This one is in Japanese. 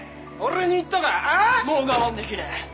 もう我慢できねえ。